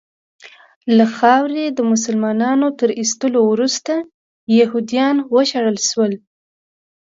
له خاورې د مسلنانو تر ایستلو وروسته یهودیان وشړل شول.